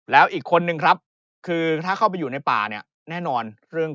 แล้วอีกคนนึงครับคือถ้าเข้าไปอยู่ในป่าเนี่ยแน่นอนเรื่อง